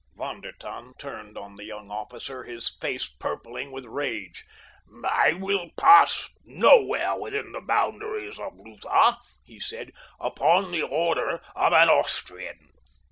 Von der Tann turned on the young officer, his face purpling with rage. "I will pass nowhere within the boundaries of Lutha," he said, "upon the order of an Austrian.